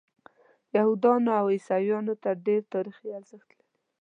یهودیانو او عیسویانو ته ډېر تاریخي ارزښت لري.